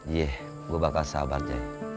yeh gue bakal sabar jahe